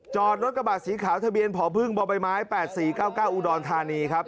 จอดรถกระบาดสีขาวทะเบียนผอพึ่งบใบไม้๘๔๙๙อุดรธานีครับ